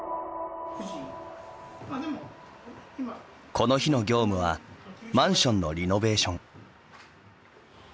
この日の業務はマンションのリノベーション。